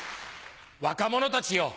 若者たちよ